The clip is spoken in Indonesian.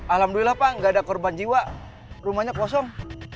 alhamdulillah pak nggak ada korban jiwa rumahnya kosong